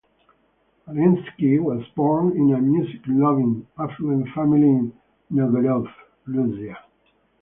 Arensky was born in a music-loving, affluent family in Novgorod, Russia.